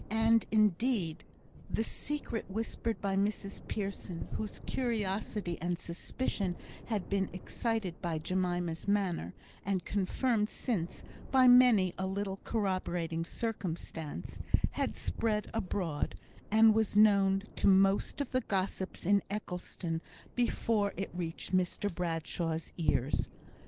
And, indeed, the secret whispered by Mrs Pearson, whose curiosity and suspicion had been excited by Jemima's manner, and confirmed since by many a little corroborating circumstance, had spread abroad, and was known to most of the gossips in Eccleston before it reached Mr Bradshaw's ears.